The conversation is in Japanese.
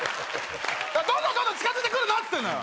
どんどんどんどん近づいてくるなっつってんのよ！